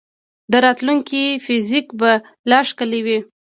د راتلونکي فزیک به لا ښکلی وي.